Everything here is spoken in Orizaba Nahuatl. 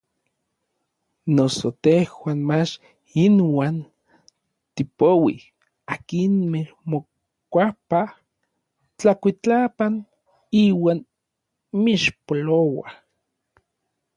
Noso tejuan mach inuan tipouij akinmej mokuapaj tlakuitlapan iuan mixpolouaj.